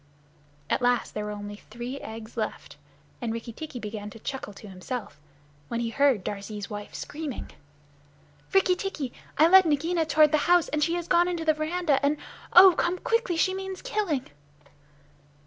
At last there were only three eggs left, and Rikki tikki began to chuckle to himself, when he heard Darzee's wife screaming: "Rikki tikki, I led Nagaina toward the house, and she has gone into the veranda, and oh, come quickly she means killing!"